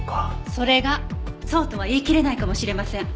それがそうとは言いきれないかもしれません。